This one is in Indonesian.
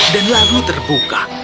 dan lalu terbuka